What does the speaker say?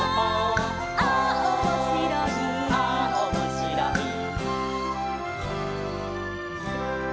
「ああおもしろい」